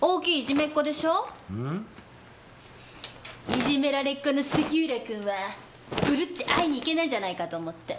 いじめられっ子の杉浦君はブルって会いにいけないんじゃないかと思って。